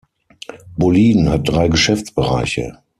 Boliden hat drei Geschäftsbereiche